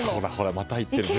また言ってる。